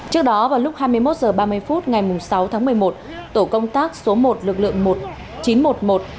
trước đó vào lúc hai mươi một h ba mươi phút ngày sáu tháng một mươi một tổ công tác số một lực lượng chín trăm một mươi một